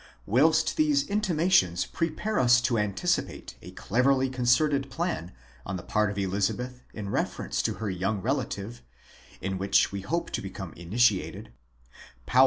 Whilst these intimations prepare us to anticipate a cleverly concerted plan on the part of Elizabeth in reference to her young relative, in the which we hope to become initiated ; Paulus here suddenly lets 1 Br...